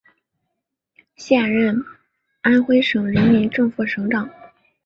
现任安徽省人民政府省长。